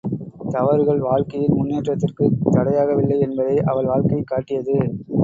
தவறுகள் வாழ்க்கையின் முன்னேற்றத்திற்குத் தடையாகவில்லை என்பதை அவள் வாழ்க்கை காட்டியது.